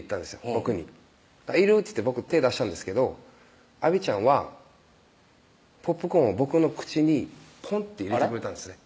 僕に「いる」っつって僕手出したんですけどあびちゃんはポップコーンを僕の口にポンって入れてくれたんですね